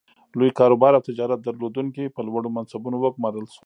لوی کاروبار او تجارت درلودونکي په لوړو منصبونو وګومارل شول.